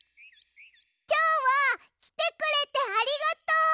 きょうはきてくれてありがとう！